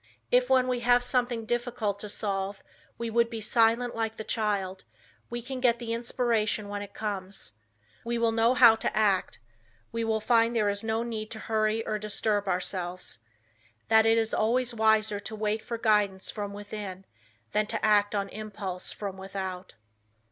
If, when we have something difficult to solve, we would be silent like the child, we can get the inspiration when it comes; we will know how to act, we will find there is no need to hurry or disturb ourselves, that it is always wiser to wait for guidance from within, than to act on impulse from Without.